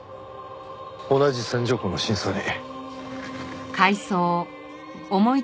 同じ線条痕の真相に。